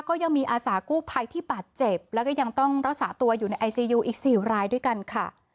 ก็ยังมีอาสากู้ภัยที่บาดเจ็บแล้วก็ยังต้องรักษาตัวอยู่ในไอซียูอีก๔รายด้วยกันค่ะ